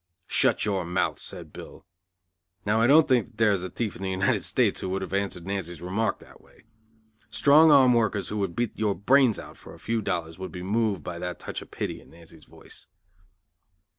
"Shut your mouth," said Bill. Now I don't think there is a thief in the United States who would have answered Nancy's remark that way. Strong arm workers who would beat your brains out for a few dollars would be moved by that touch of pity in Nancy's voice.